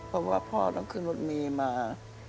เพราะว่าพ่อต้องขึ้นรถเมย์มา